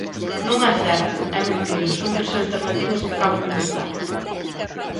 Non é certo, é mentira, son tres alternativas que acaban de inventar.